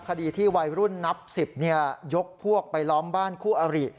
คดีที่วัยรุ่นนับ๑๐ยกพวกไปล้อมบ้านคู่อริ